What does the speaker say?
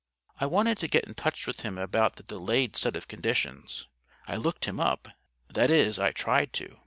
"I wanted to get in touch with him about the delayed set of conditions. I looked him up. That is, I tried to.